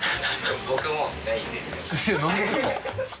僕もないです。